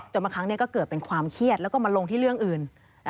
บางครั้งก็เกิดเป็นความเครียดแล้วก็มาลงที่เรื่องอื่น